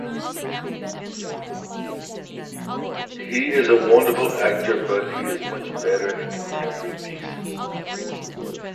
He is a wonderful actor but he is much better in contemporary pieces.